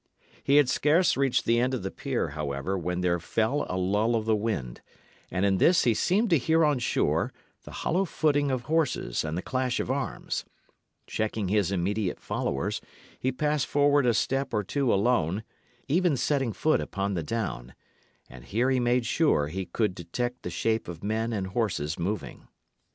He had scarce reached the end of the pier, however, when there fell a lull of the wind; and in this he seemed to hear on shore the hollow footing of horses and the clash of arms. Checking his immediate followers, he passed forward a step or two alone, even setting foot upon the down; and here he made sure he could detect the shape of men and horses moving.